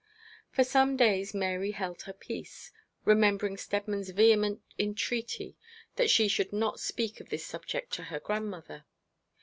For some days Mary held her peace, remembering Steadman's vehement entreaty that she should not speak of this subject to her grandmother.